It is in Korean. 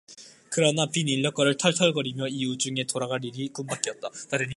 그러나 빈 인력거를 털털거리며 이 우중에 돌아갈 일이 꿈밖이었다.